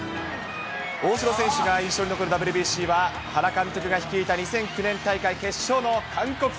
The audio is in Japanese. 大城選手が印象に残るＷＢＣは、原監督が率いた２００９年大会決勝の韓国戦。